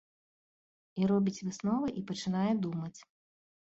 І робіць высновы, і пачынае думаць.